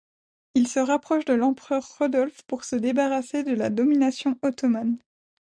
Il se rapproche de l'empereur Rodolphe pour se débarrasser de la domination ottomane.